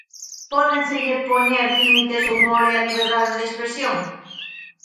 Pódenselle poñer límites ao humor e á liberdade de expresión?